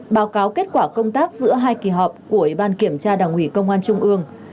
báo cáo kết quả công tác giữa hai kỳ họp của ủy ban kiểm tra đảng ủy công an trung ương